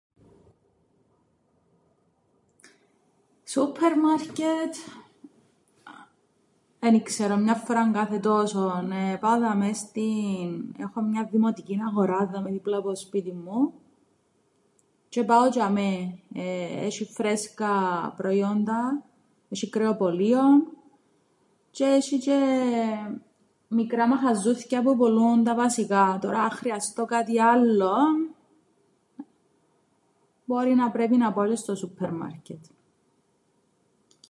Σούππερμαρκετ εν ι-ξερω μιαν φορά κάθε τόσον πάω δαμαί στην- έχω μιαν δημοτικήν αγορά δαμαί δίπλα που το σπίτιν μου τζ̆αι πάω τζ̆ειαμαί έσ̆ει φρέσκα προϊόντα έσ̆ει κρεοπωλείον τζ̆αι εσ̆ει μικρά μαχαζούθκια που πουλούν τα βασικά, τωρά αν χρειαστώ κάτι άλλον, μπορεί να πρέπει να πάω τζ̆αι στο σούππερμαρκετ.